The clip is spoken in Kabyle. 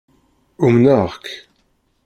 Umnaɣ-k